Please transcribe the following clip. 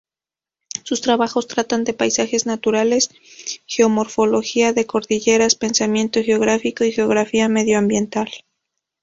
Sus trabajos tratan de paisajes naturales, geomorfología de cordilleras, pensamiento geográfico y geografía medioambiental.